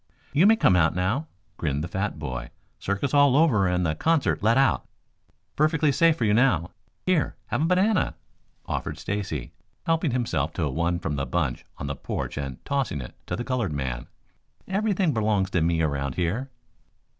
"You may come out now," grinned the fat boy. "Circus all over and the concert let out. Perfectly safe for you now. Here, have a banana," offered Stacy, helping himself to one from the bunch on the porch and tossing it to the colored man. "Everything belongs to me around here."